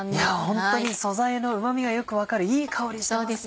ホントに素材のうまみがよく分かるいい香りしてますね。